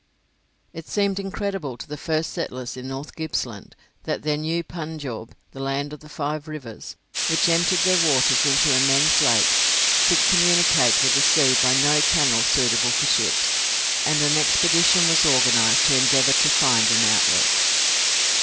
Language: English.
It seemed incredible to the first settlers in North Gippsland that their new Punjaub, the land of the five rivers, which emptied their waters into immense lakes, should communicate with the sea by no channel suitable for ships, and an expedition was organised to endeavour to find an outlet.